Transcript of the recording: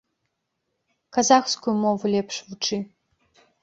Казахскую мову лепш вучы.